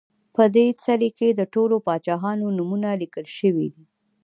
په دې څلي کې د ټولو پاچاهانو نومونه لیکل شوي دي